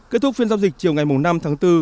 kết thúc phiên giao dịch chiều ngày năm tháng bốn